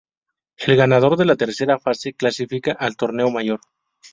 El ganador de la Tercera fase clasifica al Torneo Mayor.